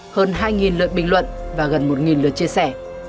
hơn hai lượt bình luận và gần một lượt chia sẻ